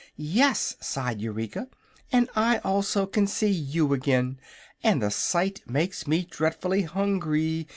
"Yes," sighed Eureka; "and I also can see you again, and the sight makes me dreadfully hungry.